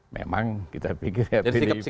memang kita pikir ya pdip